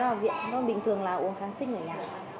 ở viện nó bình thường là uống kháng xích rồi nha